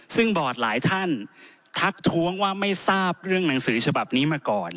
ซึ่งบอร์ดหลายท่านทักท้วงว่าไม่ทราบเรื่องหนังสือฉบับนี้มาก่อน